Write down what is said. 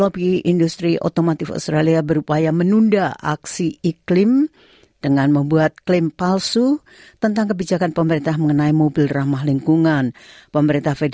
bersama sbs bahasa indonesia